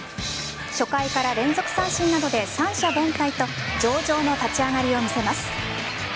初回から連続三振などで三者凡退と上々の立ち上がりを見せます。